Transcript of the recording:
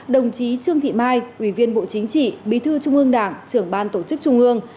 đồng chí trương thị mai ủy viên bộ chính trị bí thư trung ương đảng trưởng ban tổ chức trung ương